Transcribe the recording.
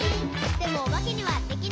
「でもおばけにはできない。」